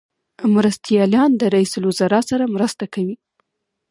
مرستیالان د رئیس الوزرا سره مرسته کوي